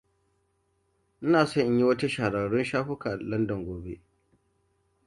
Ina so in yi wata shahararrun shafuka a Landan gobe.